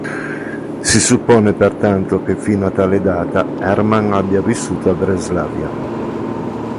Si suppone pertanto che fino a tale data Hermann abbia vissuto a Breslavia.